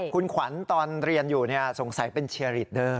คุณขวัญตอนเรียนอยู่สงสัยเป็นเชียร์ลีดเดอร์